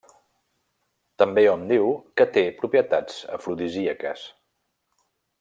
També hom diu que té propietats afrodisíaques.